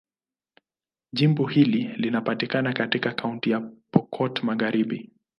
Jimbo hili linapatikana katika Kaunti ya Pokot Magharibi.